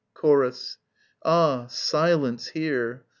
Chorus. Ah! silence here!